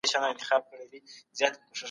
زه به سبا نوی کتاب واخلم.